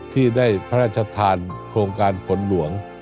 ที่ได้พระราชทานโครงการฝนหลวง